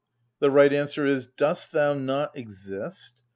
—the right answer is, "Dost thou not exist?